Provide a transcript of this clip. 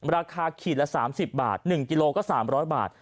ราคาขีดละ๓๐บาท๑กิโลก็๓๐๐บาท